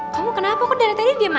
kamu kenapa kok darah tadi diam aja